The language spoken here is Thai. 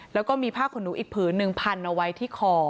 แล้วก็มีผ้าขนหนูอีกผืนหนึ่งพันเอาไว้ที่คอ